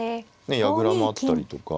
ねえ矢倉もあったりとか。